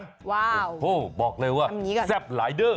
ว้าวทำอย่างนี้ก่อนบอกเลยว่าแซ่บหลายเด้อ